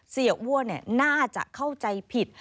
เดี๋ยวเอ้วนน่าจะเข้าใจผิด